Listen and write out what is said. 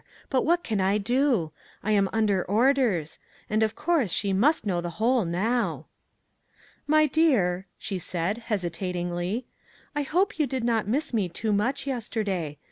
but what can I do ? I am under orders ; and of course she must know the whole now." " My dear," she said, hesitatingly, " I hope you did not miss me too much yesterday.